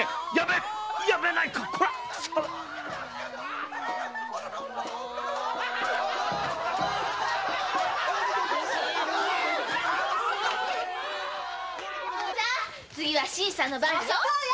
さあ次は新さんの番よ。